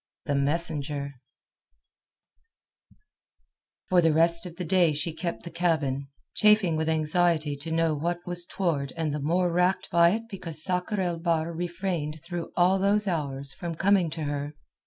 THE MESSENGER For the rest of the day she kept the cabin, chafing with anxiety to know what was toward and the more racked by it because Sakr el Bahr refrained through all those hours from coming to her.